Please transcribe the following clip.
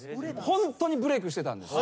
ホントにブレークしてたんです。